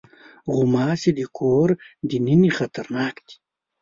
غوماشې د کور دننه خطرناکې دي.